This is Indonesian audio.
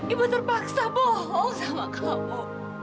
ibu terpaksa bohong sama kamu